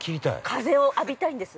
◆風を浴びたいんです。